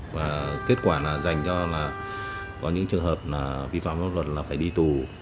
và kết quả là dành cho là có những trường hợp vi phạm pháp luật là phải đi tù